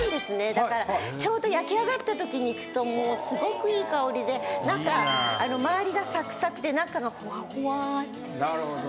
だからちょうど焼き上がったときに行くとすごくいい香りでなんか周りがサクサクで中がホワホワ。